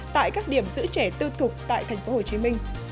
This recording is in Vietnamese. tại các điểm giữ trẻ tư thục tại tp hcm